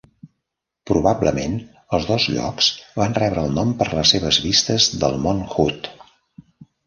Probablement els dos llocs van rebre el nom per les seves vistes del mont Hood.